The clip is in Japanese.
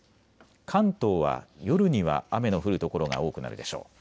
関東は夜には雨の降る所が多くなるでしょう。